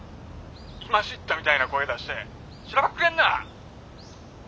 今知ったみたいな声出してしらばっくれんな！